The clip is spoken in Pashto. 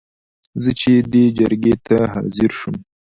زه چې دې جرګې ته حاضر شوم.